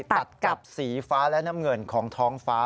ตัดกับสีฟ้าและน้ำเงินของท้องฟ้า